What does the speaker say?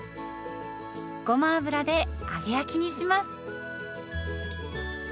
ごま油で揚げ焼きにします。